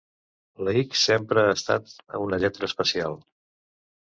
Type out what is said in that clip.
La ics sempre ha estat una lletra especial.